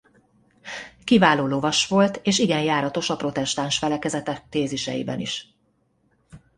Kiváló lovas volt és igen járatos a protestáns felekezetek téziseiben is.